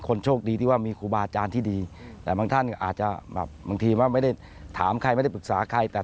ของตัวเองว่าจะใช้เวลาแหละก็คงไม่ใช่วิกฤตหรอก